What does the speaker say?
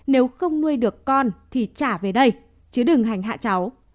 nếu không nuôi được con thì trả về đây chứ đừng hành hạ cháu